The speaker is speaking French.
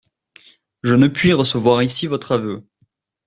Je ne puis recevoir ici votre aveu.